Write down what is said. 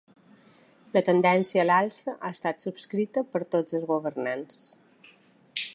La tendència a l’alça ha estat subscrita per tots els governants.